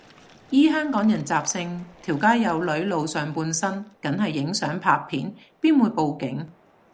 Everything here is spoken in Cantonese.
依香港人習性，條街有女露上半身梗係影相拍片，邊會報警